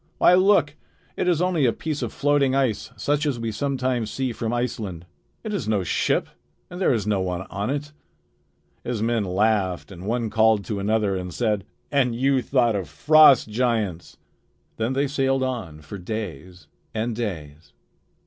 Why, look! It is only a piece of floating ice such as we sometimes see from Iceland. It is no ship, and there is no one on it." His men laughed and one called to another and said: "And you thought of frost giants!" Then they sailed on for days and days.